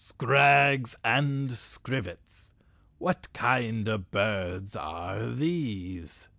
"Scrags and scrivets! What kind of birds are these?"